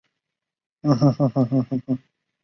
起始站分别为费德莫兴站到展览中心东站。